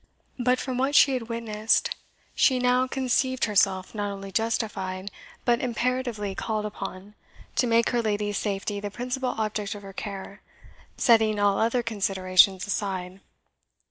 But from what she had witnessed, she now conceived herself not only justified, but imperatively called upon, to make her lady's safety the principal object of her care, setting all other considerations aside.